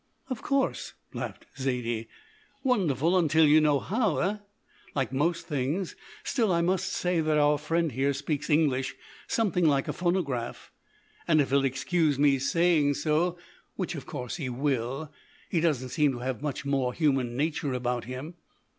"Of course," laughed Zaidie. "Wonderful until you know how, eh? Like most things. Still I must say that our friend here speaks English something like a phonograph, and if he'll excuse me saying so, which of course he will, he doesn't seem to have much more human nature about him."